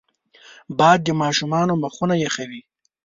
باد د ماشومانو مخونه یخوي